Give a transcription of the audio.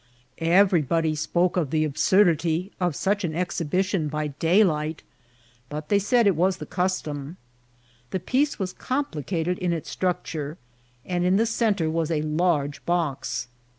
Erery body spoke of the absurdity of such an exhibition by daylight, but they said it was the custom. The piece was complicated in its structure, and in the centre was a large box.